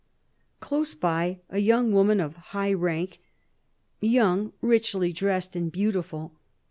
Close by lay a young woman of high rank; young, richly dressed and beautiful.